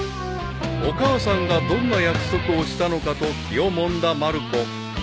［お母さんがどんな約束をしたのかと気をもんだまる子］